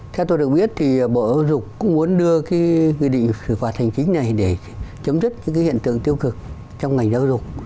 theo tôi được biết thì bộ giáo dục cũng muốn đưa cái nghị định xử phạt hành chính này để chấm dứt những cái hiện tượng tiêu cực trong ngành giáo dục